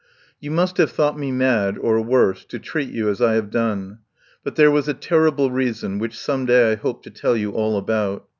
"You must have thought me mad, or worse, to treat you as I have done. But there was a terrible reason, which some day I hope to tell you all about.